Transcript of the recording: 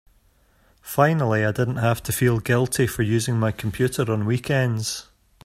Finally I didn't have to feel guilty for using my computer on weekends.